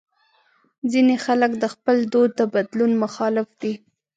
ځینې خلک د خپل دود د بدلون مخالف دي.